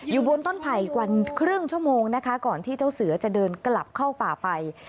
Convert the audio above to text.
อยู่บนต้นไผ่กว่าครึ่งชั่วโมงนะคะก่อนที่เจ้าเสือจะเดินกลับเข้าป่าไป